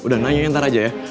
udah nanya ntar aja ya